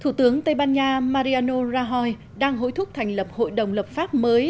thủ tướng tây ban nha mariano rahoi đang hối thúc thành lập hội đồng lập pháp mới